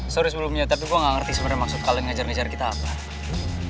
sorry sebelumnya tapi gue gak ngerti sebenernya maksud kalian ngejar ngejar kita apa